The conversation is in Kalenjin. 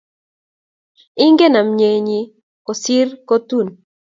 Ingen nemnyei kosir kotuun